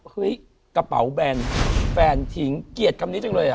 เฮ้ยกระเป๋าแบนแฟนทิ้งเกลียดคำนี้จังเลยอ่ะ